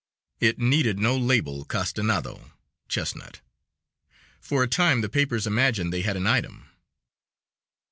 It needed no label "castanado" (chestnut). For a time the papers imagined they had an item.